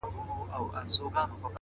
يو نه دى دوه نه دي له اتو سره راوتي يو.!